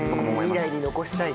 未来に残したい？